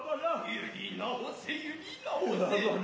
ゆり直せゆり直せ。